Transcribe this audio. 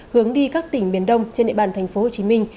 hướng đi các tỉnh biển đông trên địa bàn tp hcm